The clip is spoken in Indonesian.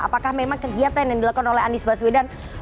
apakah memang kegiatan yang dilakukan oleh anies baswedan